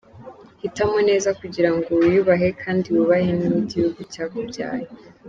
Hitamo neza kugirango wiyubahe kandi wubahe n’igihugu cyakubyaye….